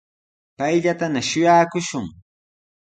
Payllatana shuyaakushun.